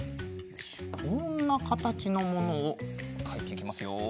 こんなかたちのものをかいていきますよ。